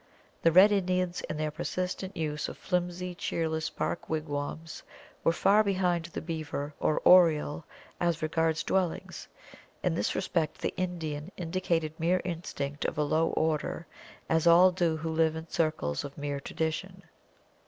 The red Indians in their persistent use of flimsy, cheerless bark wigwams, were far behind the beaver or oriole as regards dwellings; in this respect the Indian indicated mere instinct of a low order, as all do who live in circles of mere tradition.